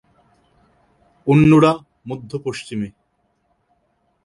অন্যরা মধ্য-পশ্চিমে।